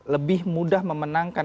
lebih mudah memenangkan